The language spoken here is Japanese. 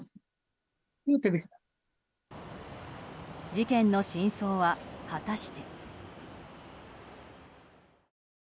事件の真相は、果たして。